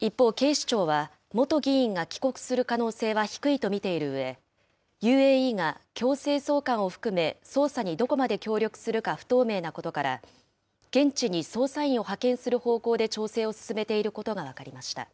一方、警視庁は、元議員が帰国する可能性は低いと見ているうえ、ＵＡＥが強制送還を含め、捜査にどこまで協力するか不透明なことから、現地に捜査員を派遣する方向で調整を進めていることが分かりました。